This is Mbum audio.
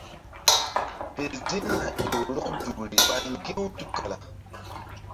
Fe ziŋna ƴo rɔk nzukri ɓa ŋgi̧ u tukala.